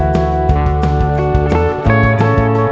jangan jangan jangan